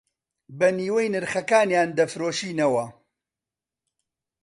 بە نیوەی نرخەکانیان دەفرۆشینەوە